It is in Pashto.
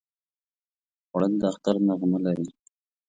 خوړل د اختر نغمه لري